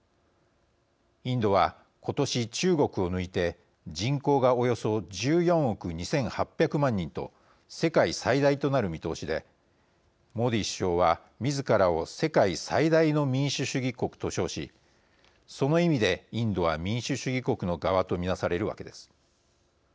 インドは今年、中国を抜いて人口がおよそ１４億２８００万人と世界最大となる見通しでモディ首相は、みずからを世界最大の民主主義国と称しその意味でインドは民主主義国の側と見なされるわけです。